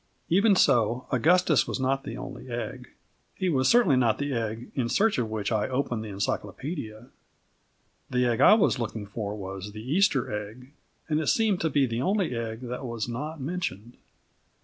Even so, Augustus was not the only Egg. He was certainly not the egg in search of which I opened the Encyclopædia. The egg I was looking for was the Easter egg, and it seemed to be the only egg that was not mentioned.